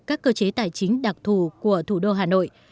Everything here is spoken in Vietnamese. các cơ chế tài chính đặc thù của thủ đô hà nội